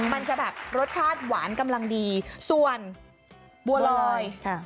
มันจะแบบรสชาติหวานกำลังดีส่วนบัวลอยค่ะ